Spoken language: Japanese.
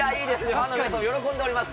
ファンの皆さんも喜んでおります。